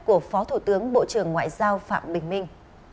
của phó thủ tướng bộ trưởng ngoại giao phạm bình minh